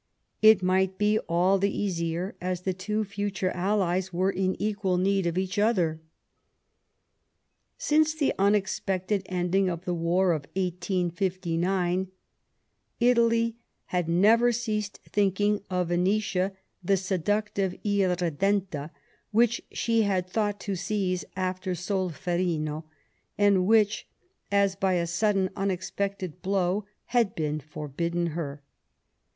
It might be all the easier Alliance. ^.s the two future Allies were in equal need of each other. Since the unexpected ending of the war of 1859, Italy had never ceased thinking of Venetia, the seductive Irredenta, which she had thought to seize after Solferino, and which as by a sudden, un expected blow, had been forbidden her.